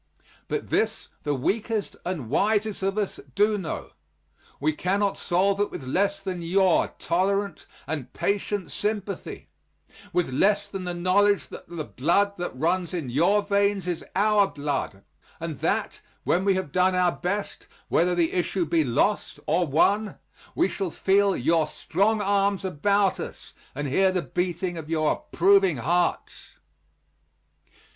But this the weakest and wisest of us do know: we cannot solve it with less than your tolerant and patient sympathy with less than the knowledge that the blood that runs in your veins is our blood and that, when we have done our best, whether the issue be lost or won, we shall feel your strong arms about us and hear the beating of your approving hearts!